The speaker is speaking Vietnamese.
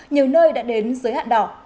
nhiều nơi đã đến giới hạn đỏ